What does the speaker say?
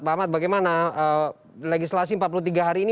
pak ahmad bagaimana legislasi empat puluh tiga hari ini